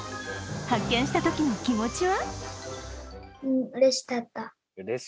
発見したときの気持ちは？